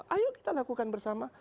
ayo kita lakukan bersama